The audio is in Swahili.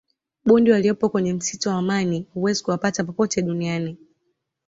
bundi waliyopo kwenye msitu wa amani huwezi kuwapata popote duniani